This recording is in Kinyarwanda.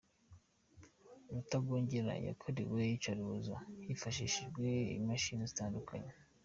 Rutagungira yakorewe iyicarubozo hifashishijwe imashini zitandukanye.